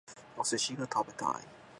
お寿司が食べたい